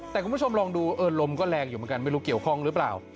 แต่คุณผู้ชมลองดูเออลมก็แรงอยู่เหมือนกันไม่รู้เกี่ยวข้องหรือเปล่า